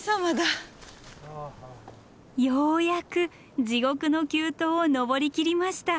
ようやく地獄の急登を登りきりました。